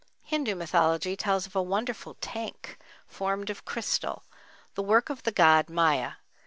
Hindu mythology tells of a wonderful tank formed of crystal, the work of the god Maya.